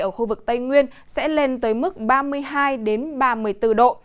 ở khu vực tây nguyên sẽ lên tới mức ba mươi hai ba mươi bốn độ